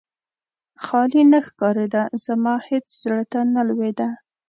خالي نه ښکارېده، زما هېڅ زړه ته نه لوېده.